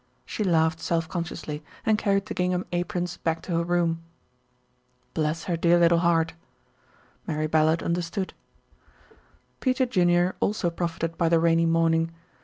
She laughed self consciously, and carried the gingham aprons back to her room. "Bless her dear little heart." Mary Ballard understood. Peter Junior also profited by the rainy morning.